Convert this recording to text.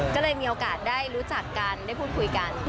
ก็เลยมีโอกาสได้รู้จักกันได้พูดคุยกัน